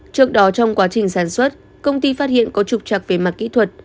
trước đó trong quá trình sản xuất công ty phát hiện có trục trặc về mặt kỹ thuật